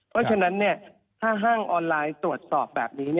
เพราะฉะนั้นถ้าห้างออนไลน์ตรวจสอบแบบนี้